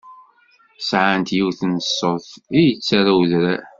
Sɛant yiwen n ṣṣut i d-yettarra udrar.